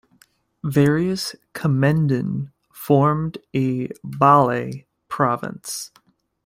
Various "Kommenden" formed a "Ballei" province.